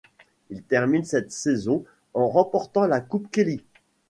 Il termine cette saison en remportant la Coupe Kelly.